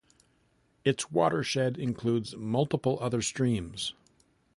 Its watershed includes multiple other streams.